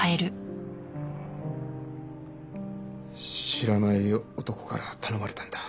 知らない男から頼まれたんだ。